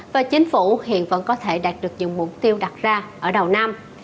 và chính phủ hiện vẫn có thể đạt được những mục tiêu đặt ra ở đầu năm